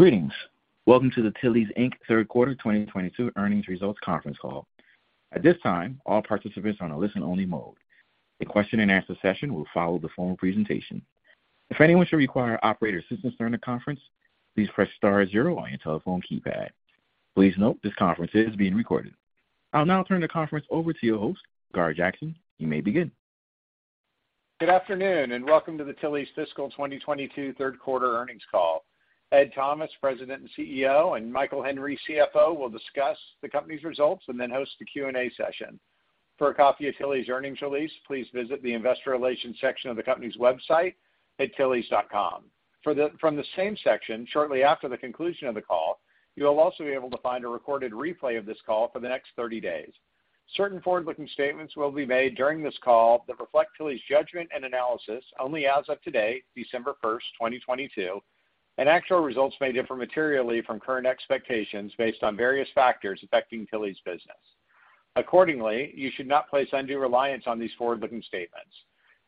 Greetings. Welcome to the Tilly's, Inc. Third Quarter 2022 earnings results conference call. At this time, all participants are on a listen only mode. A question and answer session will follow the formal presentation. If anyone should require operator assistance during the conference, please press star zero on your telephone keypad. Please note this conference is being recorded. I'll now turn the conference over to your host, Gar Jackson. You may begin. Good afternoon, welcome to the Tilly's Fiscal 2022 3rd quarter earnings call. Edmond Thomas, President and CEO, Michael Henry, CFO, will discuss the company's results then host a Q&A session. For a copy of Tilly's earnings release, please visit the investor relations section of the company's website at tillys.com. From the same section, shortly after the conclusion of the call, you will also be able to find a recorded replay of this call for the next 30 days. Certain forward-looking statements will be made during this call that reflect Tilly's judgment and analysis only as of today, December 1, 2022, actual results may differ materially from current expectations based on various factors affecting Tilly's business. Accordingly, you should not place undue reliance on these forward-looking statements.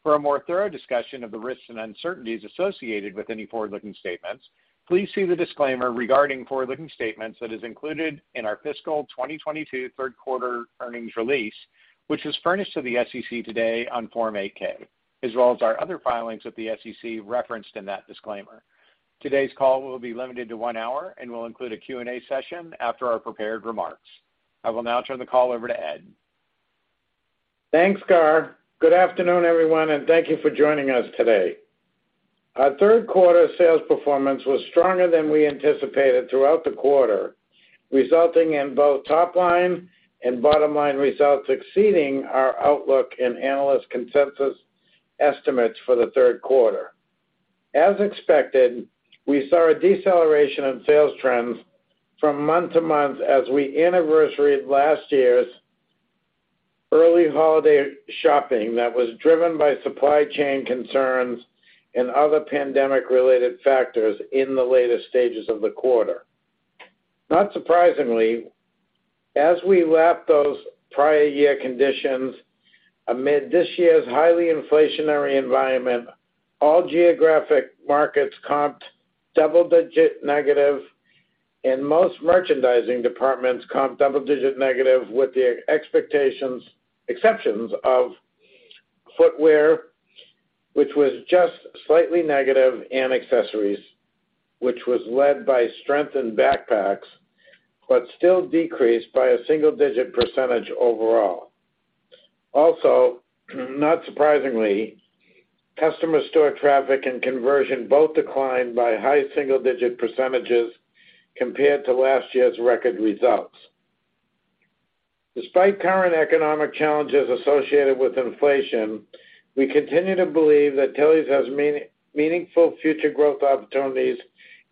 For a more thorough discussion of the risks and uncertainties associated with any forward-looking statements, please see the disclaimer regarding forward-looking statements that is included in our fiscal 2022 3rd quarter earnings release, which was furnished to the SEC today on Form 8-K, as well as our other filings with the SEC referenced in that disclaimer. Today's call will be limited to 1 hour and will include a Q&A session after our prepared remarks. I will now turn the call over to Ed. Thanks, Gar. Good afternoon, everyone, thank you for joining us today. Our third quarter sales performance was stronger than we anticipated throughout the quarter, resulting in both top line and bottom line results exceeding our outlook and analyst consensus estimates for the third quarter. As expected, we saw a deceleration in sales trends from month-to-month as we anniversaried last year's early holiday shopping that was driven by supply chain concerns and other pandemic-related factors in the later stages of the quarter. Not surprisingly, as we lapped those prior year conditions amid this year's highly inflationary environment, all geographic markets comped double-digit negative and most merchandising departments comped double-digit negative with the exceptions of footwear, which was just slightly negative, and accessories, which was led by strength in backpacks, but still decreased by a single-digit percentage overall. Also, not surprisingly, customer store traffic and conversion both declined by high single-digit % compared to last year's record results. Despite current economic challenges associated with inflation, we continue to believe that Tilly's has meaningful future growth opportunities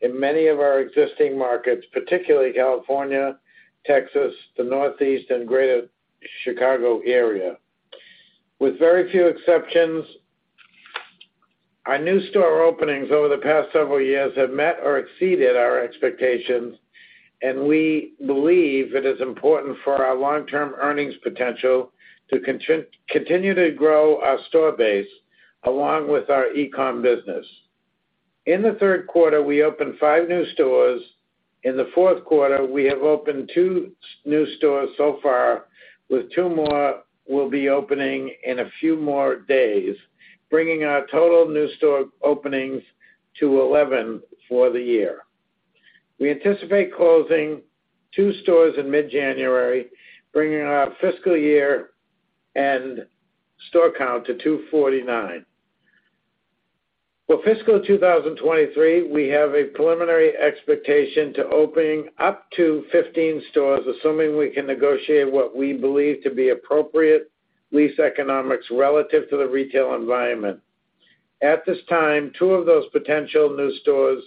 in many of our existing markets, particularly California, Texas, the Northeast, and Greater Chicago area. With very few exceptions, our new store openings over the past several years have met or exceeded our expectations, and we believe it is important for our long-term earnings potential to continue to grow our store base along with our e-com business. In the third quarter, we opened 5 new stores. In the fourth quarter, we have opened two new stores so far, with two more will be opening in a few more days, bringing our total new store openings to 11 for the year. We anticipate closing two stores in mid-January, bringing our fiscal year end store count to 249. For fiscal 2023, we have a preliminary expectation to opening up to 15 stores, assuming we can negotiate what we believe to be appropriate lease economics relative to the retail environment. At this time, 2 of those potential new stores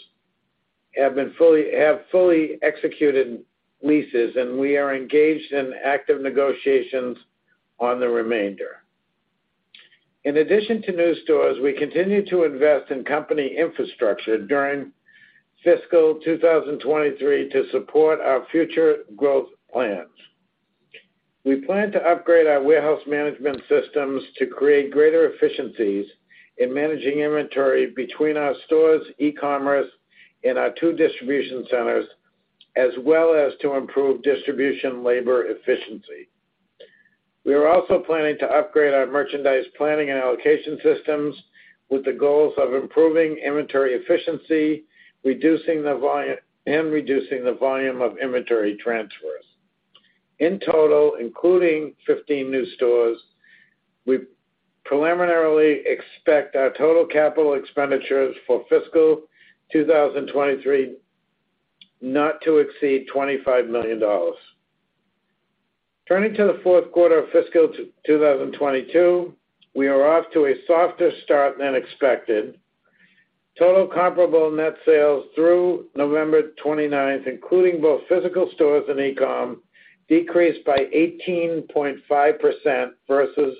have fully executed leases, and we are engaged in active negotiations on the remainder. In addition to new stores, we continue to invest in company infrastructure during fiscal 2023 to support our future growth plans. We plan to upgrade our warehouse management systems to create greater efficiencies in managing inventory between our stores, e-com, and our two distribution centers, as well as to improve distribution labor efficiency. We are also planning to upgrade our merchandise planning and allocation systems with the goals of improving inventory efficiency, reducing the volume of inventory transfers. In total, including 15 new stores, we preliminarily expect our total capital expenditures for fiscal 2023 not to exceed $25 million. Turning to the fourth quarter of fiscal 2022, we are off to a softer start than expected. Total comparable net sales through November 29th, including both physical stores and e-com, decreased by 18.5% versus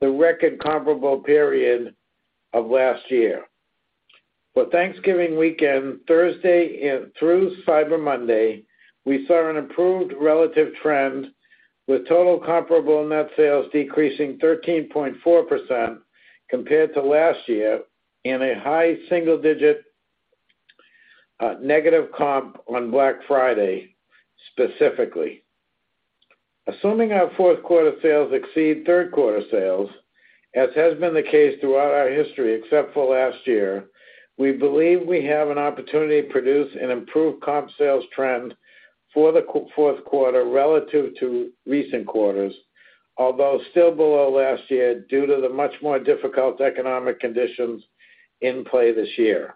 the record comparable period of last year. For Thanksgiving weekend, Thursday through Cyber Monday, we saw an improved relative trend. With total comparable net sales decreasing 13.4% compared to last year and a high single digit negative comp on Black Friday specifically. Assuming our fourth quarter sales exceed third quarter sales, as has been the case throughout our history except for last year, we believe we have an opportunity to produce an improved comp sales trend for the fourth quarter relative to recent quarters, although still below last year due to the much more difficult economic conditions in play this year.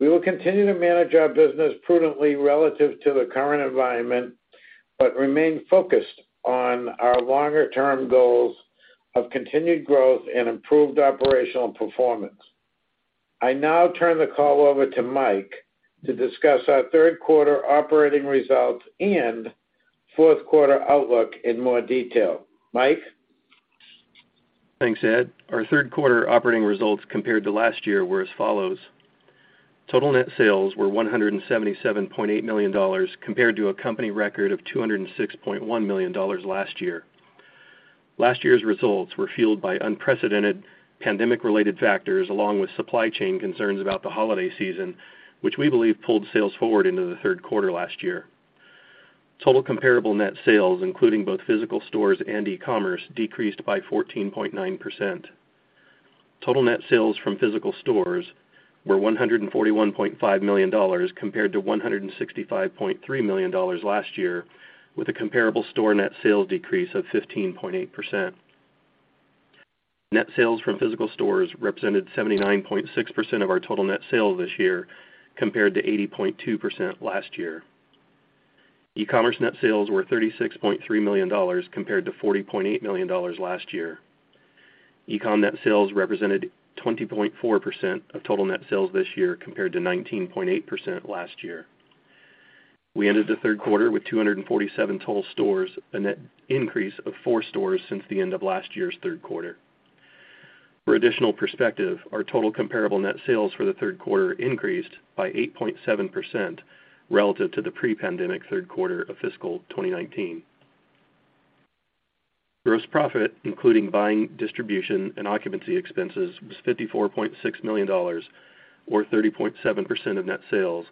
We will continue to manage our business prudently relative to the current environment, but remain focused on our longer-term goals of continued growth and improved operational performance. I now turn the call over to Mike to discuss our third quarter operating results and fourth quarter outlook in more detail. Mike? Thanks, Ed. Our third quarter operating results compared to last year were as follows. Total net sales were $177.8 million compared to a company record of $206.1 million last year. Last year's results were fueled by unprecedented pandemic-related factors along with supply chain concerns about the holiday season, which we believe pulled sales forward into the third quarter last year. Total comparable net sales, including both physical stores and e-commerce, decreased by 14.9%. Total net sales from physical stores were $141.5 million compared to $165.3 million last year, with a comparable store net sales decrease of 15.8%. Net sales from physical stores represented 79.6% of our total net sales this year compared to 80.2% last year. E-commerce net sales were $36.3 million compared to $40.8 million last year. E-com net sales represented 20.4% of total net sales this year compared to 19.8% last year. We ended the third quarter with 247 total stores, a net increase of four stores since the end of last year's third quarter. For additional perspective, our total comparable net sales for the third quarter increased by 8.7% relative to the pre-pandemic third quarter of fiscal 2019. Gross profit, including buying, distribution, and occupancy expenses, was $54.6 million or 30.7% of net sales,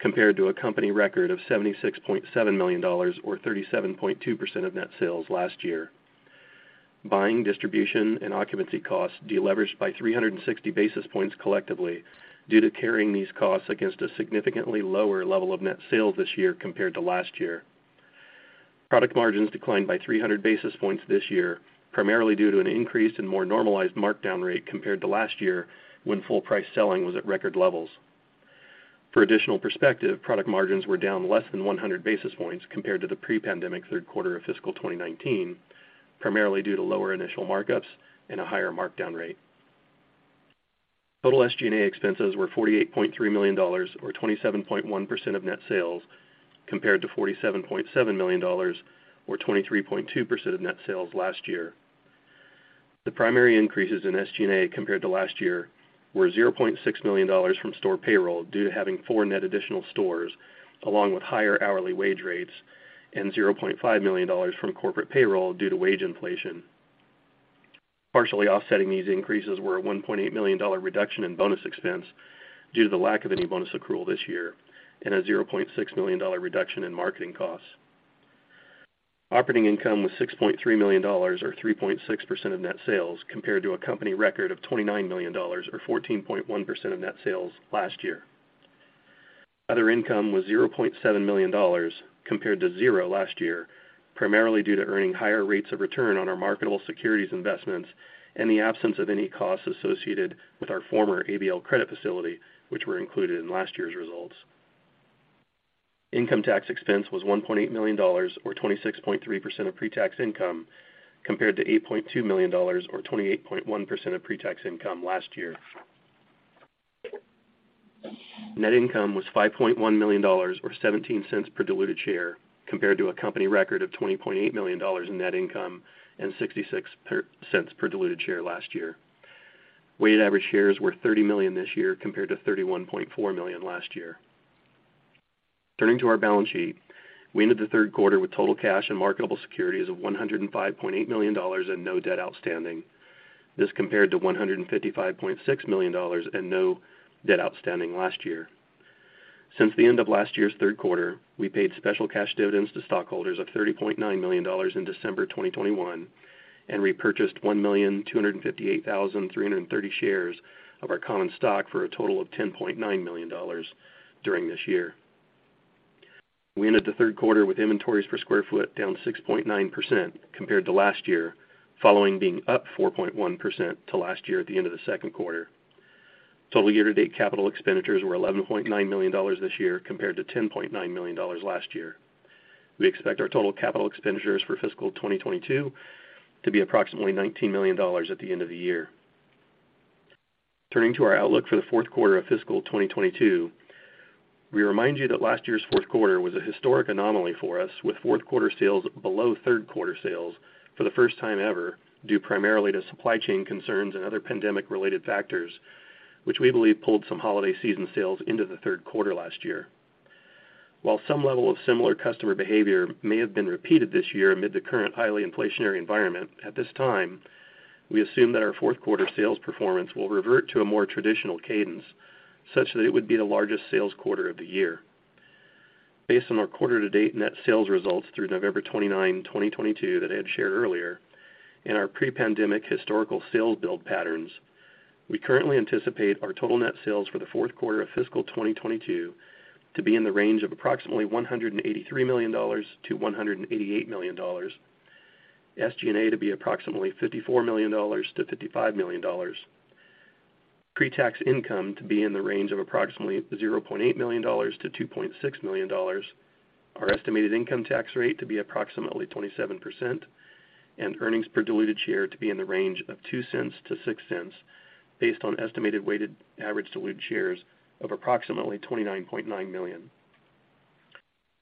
compared to a company record of $76.7 million or 37.2% of net sales last year. Buying, distribution, and occupancy costs deleveraged by 360 basis points collectively due to carrying these costs against a significantly lower level of net sales this year compared to last year. Product margins declined by 300 basis points this year, primarily due to an increase in more normalized markdown rate compared to last year when full price selling was at record levels. For additional perspective, product margins were down less than 100 basis points compared to the pre-pandemic third quarter of fiscal 2019, primarily due to lower initial markups and a higher markdown rate. Total SG&A expenses were $48.3 million or 27.1% of net sales, compared to $47.7 million or 23.2% of net sales last year. The primary increases in SG&A compared to last year were $0.6 million from store payroll due to having four net additional stores along with higher hourly wage rates and $0.5 million from corporate payroll due to wage inflation. Partially offsetting these increases were a $1.8 million reduction in bonus expense due to the lack of any bonus accrual this year and a $0.6 million reduction in marketing costs. Operating income was $6.3 million or 3.6% of net sales compared to a company record of $29 million or 14.1% of net sales last year. Other income was $0.7 million compared to $0 last year, primarily due to earning higher rates of return on our marketable securities investments and the absence of any costs associated with our former ABL credit facility, which were included in last year's results. Income tax expense was $1.8 million or 26.3% of pre-tax income, compared to $8.2 million or 28.1% of pre-tax income last year. Net income was $5.1 million or $0.17 per diluted share, compared to a company record of $20.8 million in net income and $0.66 per diluted share last year. Weighted average shares were 30 million this year compared to 31.4 million last year. Turning to our balance sheet, we ended the third quarter with total cash and marketable securities of $105.8 million and no debt outstanding. This compared to $155.6 million and no debt outstanding last year. Since the end of last year's third quarter, we paid special cash dividends to stockholders of $30.9 million in December 2021 and repurchased 1,258,330 shares of our common stock for a total of $10.9 million during this year. We ended the third quarter with inventories per square foot down 6.9% compared to last year, following being up 4.1% to last year at the end of the second quarter. Total year-to-date capital expenditures were $11.9 million this year compared to $10.9 million last year. We expect our total capital expenditures for fiscal 2022 to be approximately $19 million at the end of the year. Turning to our outlook for the fourth quarter of fiscal 2022, we remind you that last year's fourth quarter was a historic anomaly for us with fourth quarter sales below third quarter sales for the first time ever, due primarily to supply chain concerns and other pandemic-related factors. We believe pulled some holiday season sales into the 3rd quarter last year. While some level of similar customer behavior may have been repeated this year amid the current highly inflationary environment, at this time, we assume that our 4th quarter sales performance will revert to a more traditional cadence, such that it would be the largest sales quarter of the year. Based on our quarter to date net sales results through November 29, 2022 that I had shared earlier and our pre-pandemic historical sales build patterns, we currently anticipate our total net sales for the 4th quarter of fiscal 2022 to be in the range of approximately $183 million-$188 million. SG&A to be approximately $54 million-$55 million. Pre-tax income to be in the range of approximately $0.8 million-$2.6 million. Our estimated income tax rate to be approximately 27%. Earnings per diluted share to be in the range of $0.02-$0.06 based on estimated weighted average diluted shares of approximately 29.9 million.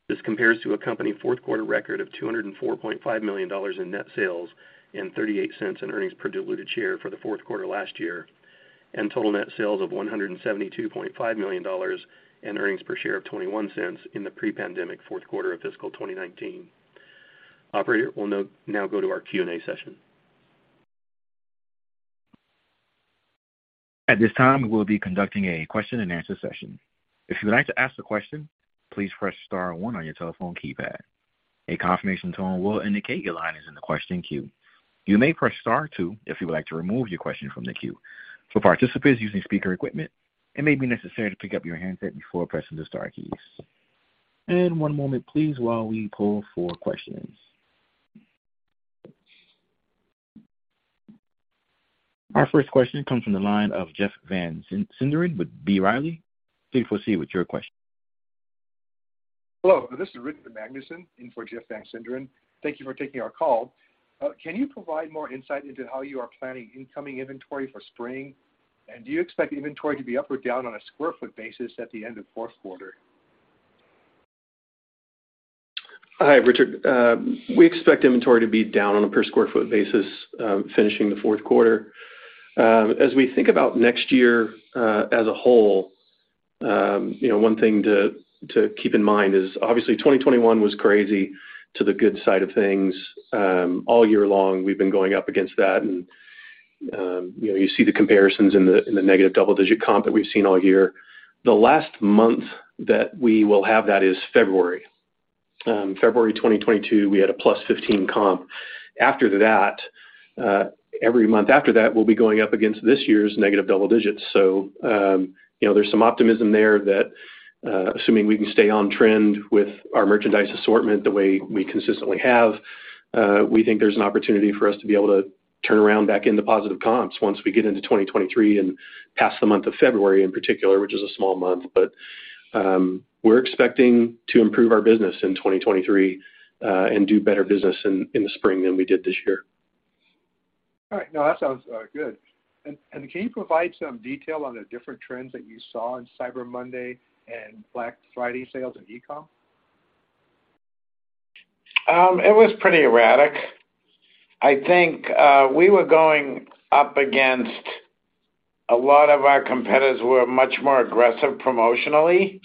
This compares to a company fourth quarter record of $204.5 million in net sales and $0.38 in earnings per diluted share for the fourth quarter last year, and total net sales of $172.5 million and earnings per share of $0.21 in the pre-pandemic fourth quarter of fiscal 2019. Operator, we'll now go to our Q&A session. At this time, we'll be conducting a question-and-answer session. If you'd like to ask a question, please press star one on your telephone keypad. A confirmation tone will indicate your line is in the question queue. You may press star two if you would like to remove your question from the queue. For participants using speaker equipment, it may be necessary to pick up your handset before pressing the star keys. One moment please while we pull for questions. Our first question comes from the line of Jeff Van Sinderen with B. Riley. Please proceed with your question. Hello, this is Richard Magnusen in for Jeff Van Sinderen. Thank you for taking our call. Can you provide more insight into how you are planning incoming inventory for spring? Do you expect inventory to be up or down on a square foot basis at the end of fourth quarter? Hi, Richard. We expect inventory to be down on a per square foot basis, finishing the fourth quarter. As we think about next year, as a whole, you know, one thing to keep in mind is obviously 2021 was crazy to the good side of things. All year long, we've been going up against that and, you know, you see the comparisons in the negative double-digit comp that we've seen all year. The last month that we will have that is February. February 2022, we had a +15 comp. After that, every month after that, we'll be going up against this year's negative double digits. You know, there's some optimism there that, assuming we can stay on trend with our merchandise assortment the way we consistently have, we think there's an opportunity for us to be able to turn around back into positive comps once we get into 2023 and past the month of February in particular, which is a small month. We're expecting to improve our business in 2023 and do better business in the spring than we did this year. All right. No, that sounds good. And can you provide some detail on the different trends that you saw on Cyber Monday and Black Friday sales in e-com? It was pretty erratic. I think we were going up against a lot of our competitors who are much more aggressive promotionally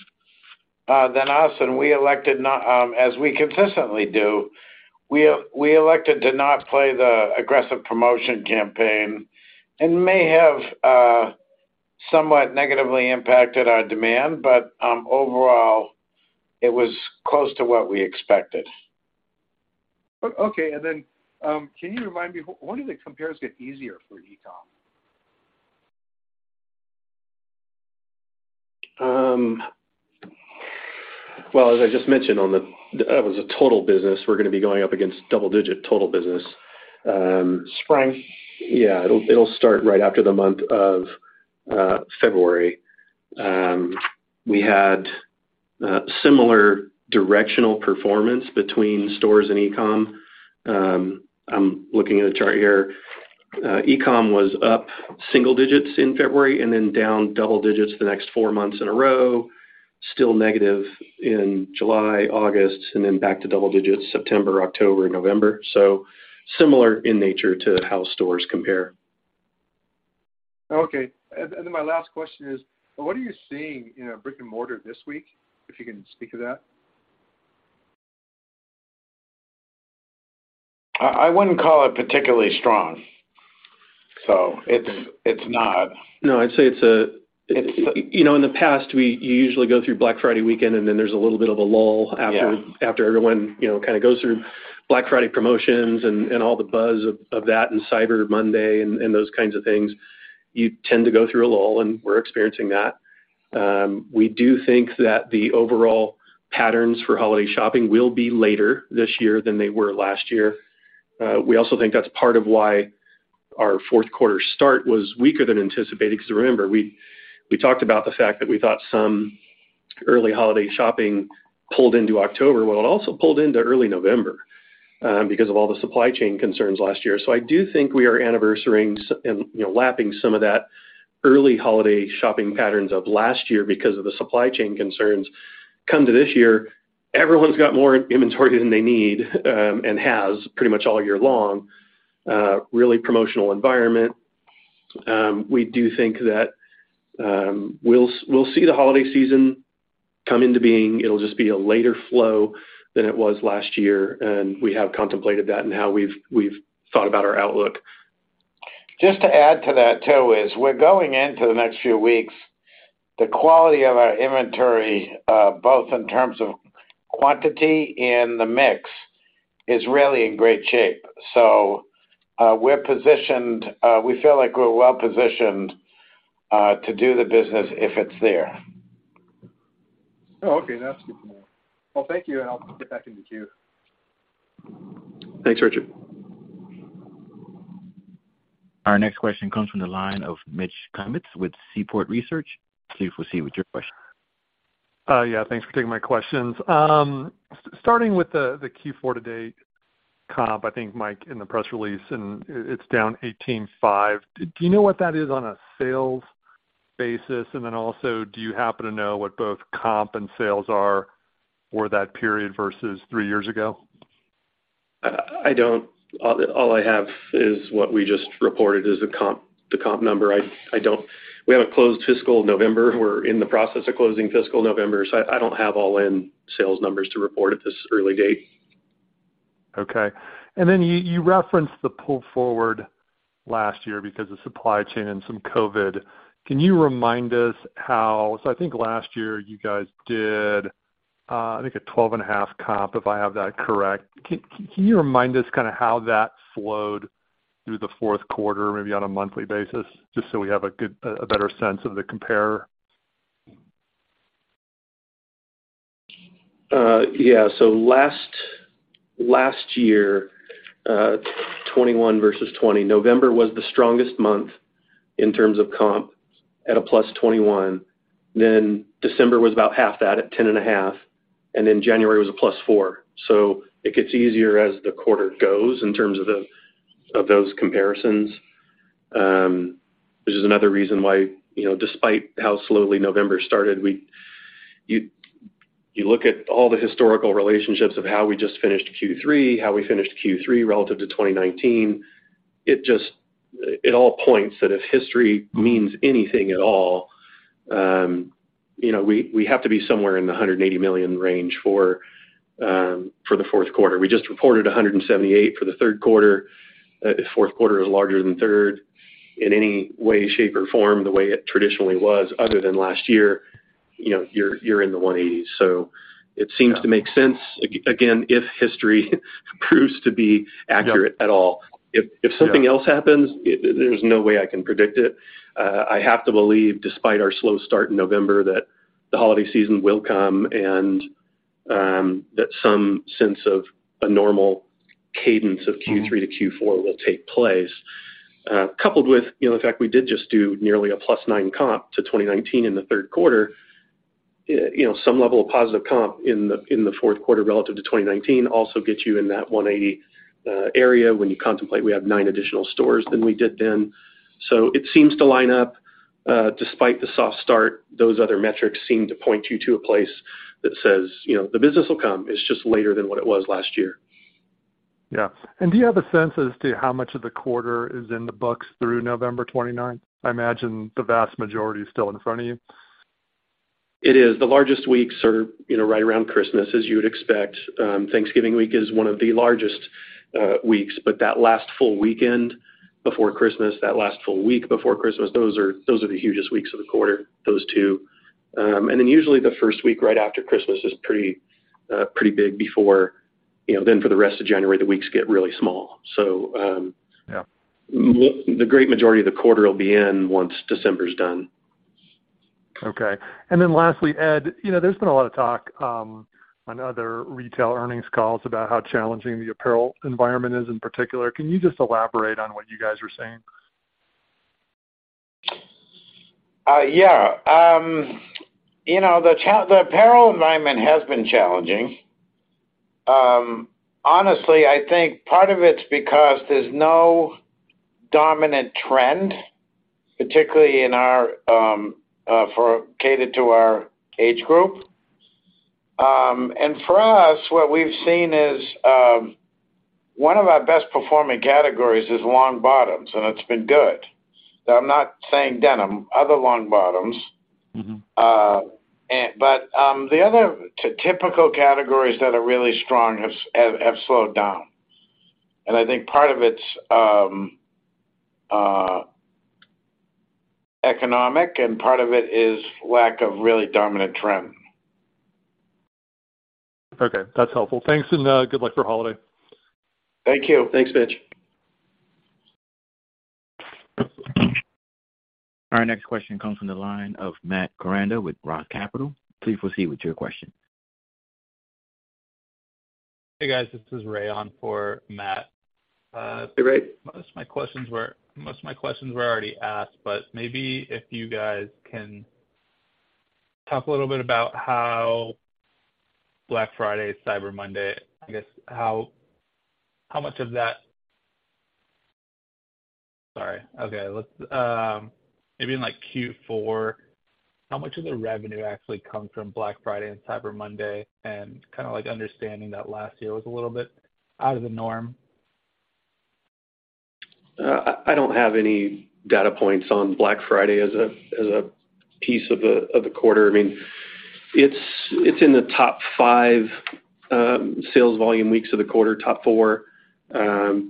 than us, and we elected not. As we consistently do, we elected to not play the aggressive promotion campaign and may have somewhat negatively impacted our demand, but overall, it was close to what we expected. Okay. Then, can you remind me, when do the compares get easier for e-com? Well, as I just mentioned that was a total business. We're gonna be going up against double-digit total business. Spring? Yeah. It'll start right after the month of February. We had similar directional performance between stores and e-com. I'm looking at a chart here. e-com was up single digits in February and then down double digits the next four months in a row. Still negative in July, August, and then back to double digits September, October, and November. Similar in nature to how stores compare. Okay. Then my last question is, what are you seeing in our brick-and-mortar this week? If you can speak to that. I wouldn't call it particularly strong. It's. No, I'd say it's a, You know, in the past you usually go through Black Friday weekend, and then there's a little bit of a lull. Yeah. -After, after everyone, you know, kind of goes through Black Friday promotions and all the buzz of that and Cyber Monday and those kinds of things. You tend to go through a lull, and we're experiencing that. We do think that the overall patterns for holiday shopping will be later this year than they were last year. We also think that's part of why our fourth quarter start was weaker than anticipated because remember, we talked about the fact that we thought some early holiday shopping pulled into October. Well, it also pulled into early November because of all the supply chain concerns last year. I do think we are anniversarying and, you know, lapping some of that early holiday shopping patterns of last year because of the supply chain concerns. This year, everyone's got more inventory than they need, and has pretty much all year long, really promotional environment. We do think that we'll see the holiday season come into being. It'll just be a later flow than it was last year, and we have contemplated that in how we've thought about our outlook. Just to add to that too is we're going into the next few weeks, the quality of our inventory, both in terms of quantity and the mix is really in great shape. We feel like we're well-positioned, to do the business if it's there. Oh, okay. That's good to know. Well, thank you, and I'll get back in the queue. Thanks, Richard. Our next question comes from the line of Mitch Kummetz with Seaport Research Partners. Please proceed with your question. Yeah, thanks for taking my questions. Starting with the Q4 to date comp, I think, Mike, in the press release, it's down 18.5%. Do you know what that is on a sales basis? Also, do you happen to know what both comp and sales are for that period versus three years ago? I don't. All I have is what we just reported is the comp number. I don't. We have a closed fiscal November. We're in the process of closing fiscal November, so I don't have all-in sales numbers to report at this early date. Okay. Then you referenced the pull forward last year because of supply chain and some COVID. Can you remind us how... I think last year you guys did, I think a 12.5% comp, if I have that correct. Can you remind us kind of how that flowed through the fourth quarter, maybe on a monthly basis, just so we have a better sense of the compare? Last year, 2021 versus 2020, November was the strongest month in terms of comp at a +21%. December was about half that at 10.5%, January was a +4%. It gets easier as the quarter goes in terms of those comparisons. Which is another reason why, you know, despite how slowly November started, you look at all the historical relationships of how we just finished Q3, how we finished Q3 relative to 2019, it all points that if history means anything at all, you know, we have to be somewhere in the $180 million range for the fourth quarter. We just reported $178 million for the third quarter. If fourth quarter is larger than third in any way, shape, or form, the way it traditionally was other than last year, you know, you're in the 180s. It seems to make sense, again, if history proves to be accurate at all. If something else happens, there's no way I can predict it. I have to believe, despite our slow start in November, that the holiday season will come and that some sense of a normal cadence of Q3 to Q4 will take place. Coupled with, you know, the fact we did just do nearly a +9 comp to 2019 in the third quarter, you know, some level of positive comp in the fourth quarter relative to 2019 also gets you in that 180 area when you contemplate we have nine additional stores than we did then. It seems to line up. Despite the soft start, those other metrics seem to point you to a place that says, you know, the business will come. It's just later than what it was last year. Yeah. Do you have a sense as to how much of the quarter is in the books through November 29th? I imagine the vast majority is still in front of you. It is. The largest weeks are, you know, right around Christmas, as you would expect. Thanksgiving week is one of the largest weeks, but that last full weekend before Christmas, that last full week before Christmas, those are the hugest weeks of the quarter, those two. Then usually the 1st week right after Christmas is pretty big before... You know, then for the rest of January, the weeks get really small. Yeah. The great majority of the quarter will be in once December's done. Okay. Lastly, Ed, you know, there's been a lot of talk, on other retail earnings calls about how challenging the apparel environment is in particular. Can you just elaborate on what you guys are seeing? Yeah. You know, the apparel environment has been challenging. Honestly, I think part of it's because there's no dominant trend, particularly in our catered to our age group. For us, what we've seen is one of our best performing categories is long bottoms, and it's been good. Now, I'm not saying denim, other long bottoms. Mm-hmm. The other typical categories that are really strong have slowed down. I think part of it's economic, and part of it is lack of really dominant trend. Okay, that's helpful. Thanks, and good luck for holiday. Thank you. Thanks, Mitch. Our next question comes from the line of Matt Koranda with ROTH Capital. Please proceed with your question. Hey, guys, this is Ray on for Matt. Hey, Ray. Most of my questions were already asked, maybe if you guys can talk a little bit about how Black Friday, Cyber Monday, I guess how much of that? Sorry. Okay, let's maybe in like Q4, how much of the revenue actually come from Black Friday and Cyber Monday and kinda like understanding that last year was a little bit out of the norm? I don't have any data points on Black Friday as a, as a piece of the, of the quarter. I mean, it's in the top 5 sales volume weeks of the quarter, top 4.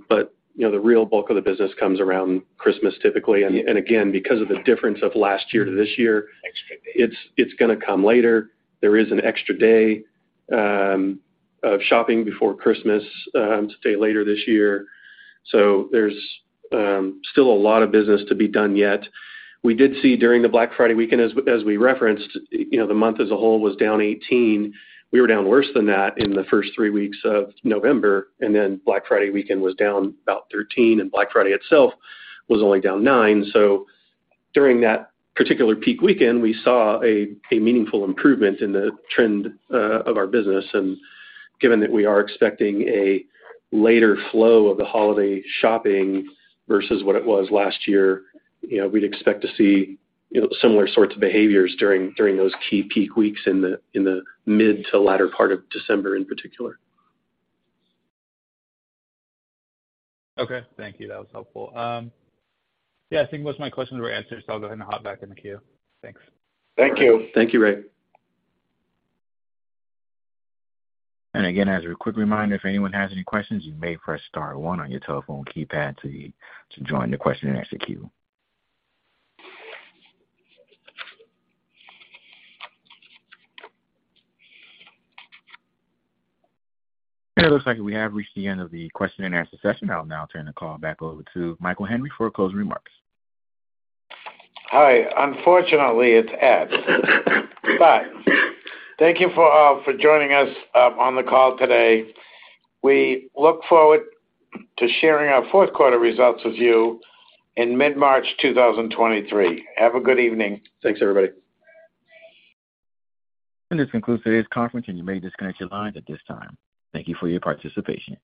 But, you know, the real bulk of the business comes around Christmas typically. Again, because of the difference of last year to this year, it's gonna come later. There is an extra day of shopping before Christmas to stay later this year. There's still a lot of business to be done yet. We did see during the Black Friday weekend as we referenced, you know, the month as a whole was down 18%. We were down worse than that in the first three weeks of November. Black Friday weekend was down about 13. Black Friday itself was only down 9. During that particular peak weekend, we saw a meaningful improvement in the trend of our business. Given that we are expecting a later flow of the holiday shopping versus what it was last year, you know, we'd expect to see, you know, similar sorts of behaviors during those key peak weeks in the, in the mid to latter part of December in particular. Thank you. That was helpful. Yeah, I think most of my questions were answered, I'll go ahead and hop back in the queue. Thanks. Thank you. Thank you, Ray. As a quick reminder, if anyone has any questions, you may press star one on your telephone keypad to join the question and answer queue. It looks like we have reached the end of the question and answer session. I'll now turn the call back over to Michael Henry for closing remarks. Hi. Unfortunately, it's Ed. Thank you for joining us on the call today. We look forward to sharing our fourth quarter results with you in mid-March 2023. Have a good evening. Thanks, everybody. This concludes today's conference, and you may disconnect your lines at this time. Thank you for your participation.